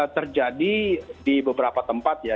terjadi di beberapa tempat ya